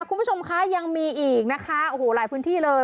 คุณผู้ชมคะยังมีอีกนะคะโอ้โหหลายพื้นที่เลย